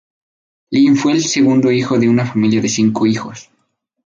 Lin fue el segundo hijo de una familia de cinco hijos.